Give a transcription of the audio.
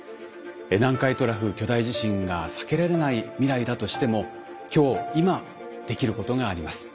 南海トラフ巨大地震が避けられない未来だとしても今日今できることがあります。